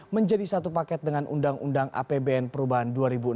menjadi satu paket dengan undang undang apbn perubahan dua ribu enam belas